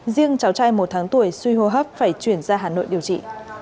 riêng cháu trai một tháng tuổi suy hô hấp phải chuyển ra hà nội điều trị